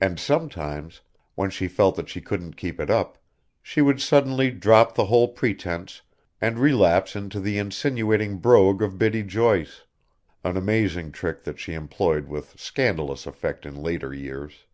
And sometimes, when she felt that she couldn't keep it up, she would suddenly drop the whole pretence and relapse into the insinuating brogue of Biddy Joyce; an amazing trick that she employed with scandalous effect in later years.